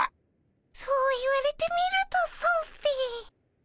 そう言われてみるとそうっピ。